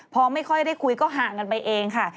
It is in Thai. พอไม่ค่อยได้คุยก็ห่างกันไปเองค่ะ